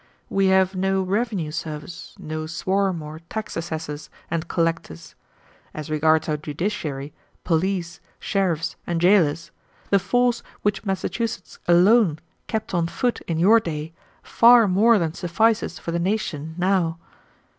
We have no revenue service, no swarm of tax assessors and collectors. As regards our judiciary, police, sheriffs, and jailers, the force which Massachusetts alone kept on foot in your day far more than suffices for the nation now.